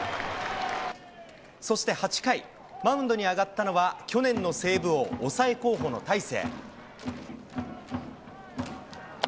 そして８回、マウンドに上がったのは去年のセーブ王、抑え候補の大勢。